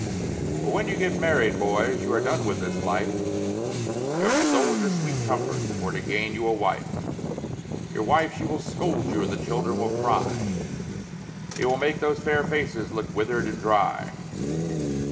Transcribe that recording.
But when you get married, boys, you are done with this life, You have sold your sweet comfort for to gain you a wife; Your wife she will scold you, and the children will cry, It will make those fair faces look withered and dry.